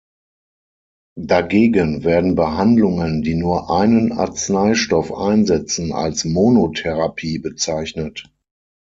Dagegen werden Behandlungen, die nur einen Arzneistoff einsetzen, als Monotherapie bezeichnet.